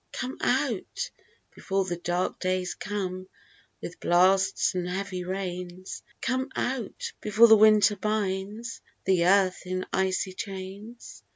Come out, before the dark days come, With blasts and heavy rains : Come out, before the winter binds The earth in icy chains.